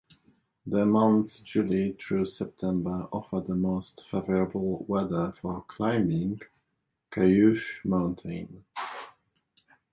The months July through September offer the most favorable weather for climbing Cayoosh Mountain.